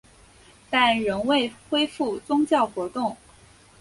但仍未恢复宗教活动。